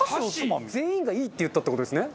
全員がいいって言ったって事ですね？